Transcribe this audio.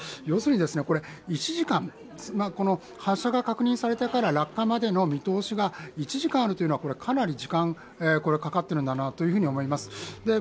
要するに、発射が確認されてから落下まで見通しが１時間あるというのはかなり時間がかかっていると思います。